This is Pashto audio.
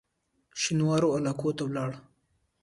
شینوارو علاقو ته ولاړ.